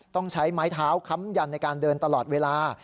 ต้องใช้ไม้เท้าค้ำยันในการเดินตลอดเวลา